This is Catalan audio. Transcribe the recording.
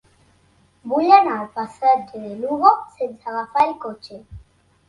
Vull anar al passatge de Lugo sense agafar el cotxe.